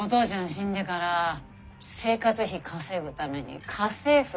死んでから生活費稼ぐために家政婦してたんだよ。